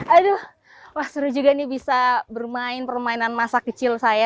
aduh wah seru juga nih bisa bermain permainan masa kecil saya